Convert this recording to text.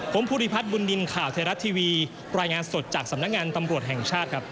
ผมภูริพัฒน์บุญนินทร์ข่าวไทยรัฐทีวีรายงานสดจากสำนักงานตำรวจแห่งชาติครับ